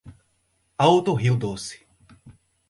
Alto Rio Doce